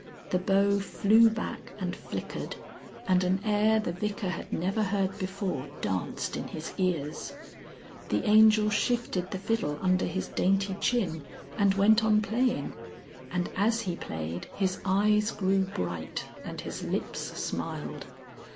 The bow flew back and flickered, and an air the Vicar had never heard before danced in his ears. The Angel shifted the fiddle under his dainty chin and went on playing, and as he played his eyes grew bright and his lips smiled.